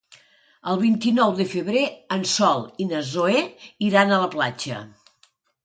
El vint-i-nou de febrer en Sol i na Zoè iran a la platja.